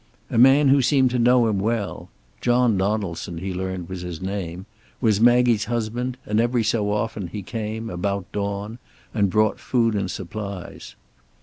A man who seemed to know him well John Donaldson, he learned, was his name was Maggie's husband, and every so often he came, about dawn, and brought food and supplies.